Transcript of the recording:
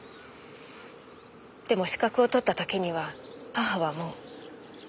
でも資格を取った時には母はもう。